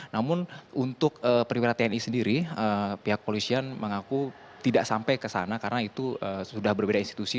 namun untuk perwira tni sendiri pihak polisian mengaku tidak sampai ke sana karena itu sudah berbeda institusi